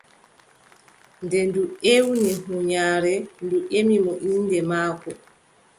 Nden ndu ewni huunyaare ndu ƴemi mo innde maako.